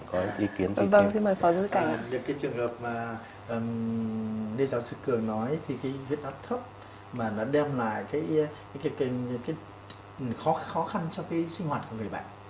vì cái trường hợp mà đây giáo sư cường nói thì cái huyết áp thấp mà nó đem lại cái khó khăn cho cái sinh hoạt của bạn